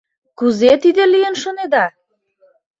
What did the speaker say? Кузе тиде лийын шонеда?